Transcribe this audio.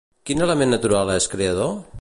Quin element natural és creador?